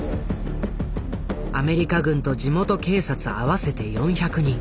アメリカ軍と地元警察合わせて４００人。